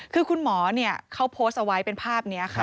คือคุณหมอเขาโพสต์เอาไว้เป็นภาพนี้ค่ะ